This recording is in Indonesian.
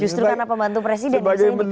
justru karena pembantu presiden yang bisa ditanya